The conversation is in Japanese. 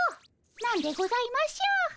何でございましょう？